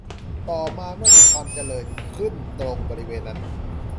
ต่อมาเมื่อมีความเจริญขึ้นตรงบริเวณนั้น